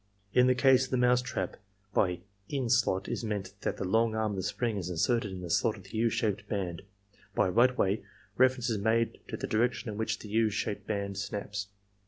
In the case of the mousetrap, by "in slot" is meant that the long arm of the spring is inserted in the slot of the U shaped band. By "Right way," reference is made to the direction in which the U shaped band snaps.